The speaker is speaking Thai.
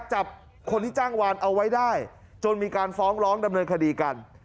จับคนที่จ้างวานเอาไว้ได้จนมีการฟ้องร้องดำเนินคดีกัน